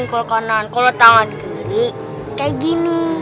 kalau kanan kalau tangan kiri kayak gini